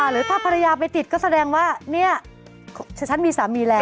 หรือถ้าภรรยาไปติดก็แสดงว่าเนี่ยฉันมีสามีแล้ว